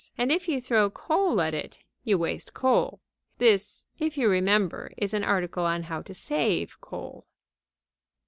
And, if you throw coal at it, you waste coal. This, if you remember, is an article on how to save coal.